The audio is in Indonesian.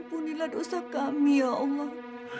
ampunilah dosa kami ya allah